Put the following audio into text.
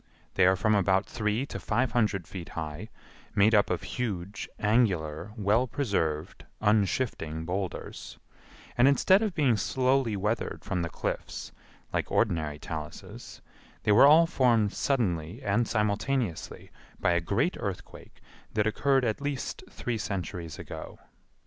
They are from about three to five hundred feet high, made up of huge, angular, well preserved, unshifting boulders, and instead of being slowly weathered from the cliffs like ordinary taluses, they were all formed suddenly and simultaneously by a great earthquake that occurred at least three centuries ago.